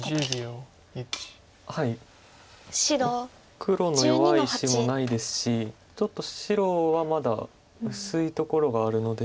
黒の弱い石もないですしちょっと白はまだ薄いところがあるので。